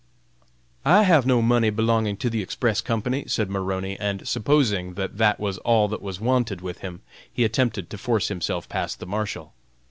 "I have no money belonging to the Express Company!" said Maroney, and supposing that that was all that was wanted with him, he attempted to force himself past the Marshal.